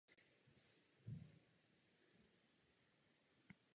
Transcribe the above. Zastupoval volební obvod Polička v Čechách.